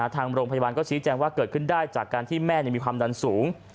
ทางโรงพยาบาลก็ชี้แจงว่าเกิดขึ้นได้จากการที่แม่มีความดันสูง